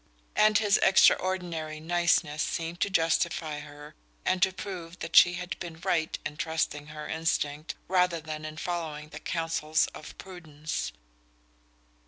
And his extraordinary "niceness" seemed to justify her and to prove that she had been right in trusting her instinct rather than in following the counsels of prudence.